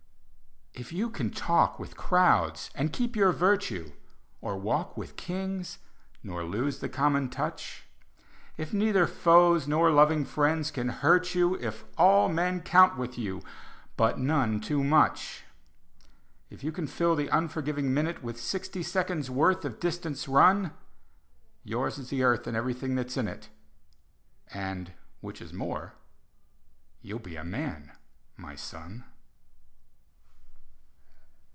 If you can talk with crowds and keep your virtue, Or walk with Kings nor lose the common touch; If neither foes nor loving friends can hurt you, If all men count with you, but none too much; If you can fill the unforgiving minute With sixty seconds' worth of distance run, Yours is the Earth and everything that's in it, And which is more you'll be a Man, my son!